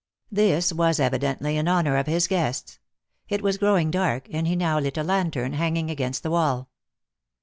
This was evidently in honor of his guests. It was growing dark, and he now lit a lantern hanging against the wall.